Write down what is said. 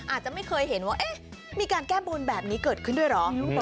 อาจจะไม่เคยเห็นว่ามีการแก้บนแบบนี้เกิดขึ้นด้วยเหรอ